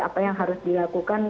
apa yang harus dilakukan